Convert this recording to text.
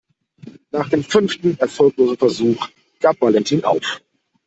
Nach dem fünften erfolglosen Versuch gab Valentin auf.